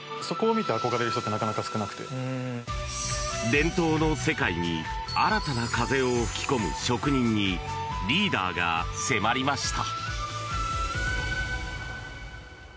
伝統の世界に新たな風を吹き込む職人にリーダーが迫りました。